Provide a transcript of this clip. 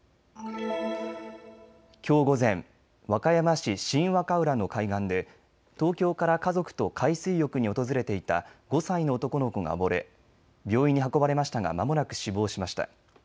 きょう午前、和歌山市新和歌浦の海岸で東京から家族と海水浴に訪れていた５歳の男の子が溺れ病院に運ばれましたがまもなく死亡しました。